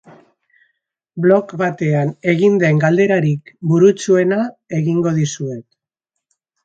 Blog batean egin den galderarik burutsuena egingo dizuet.